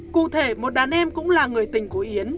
cụ thể một đàn em cũng là người tình của yến